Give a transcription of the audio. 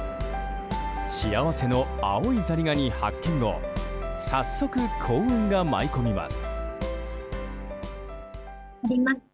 幸せの青いザリガニ発見後早速、幸運が舞い込みます。